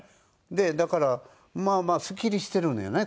でだからまあまあすっきりしているのよね